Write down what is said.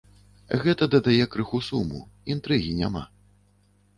Гэта дадае крыху суму, інтрыгі няма.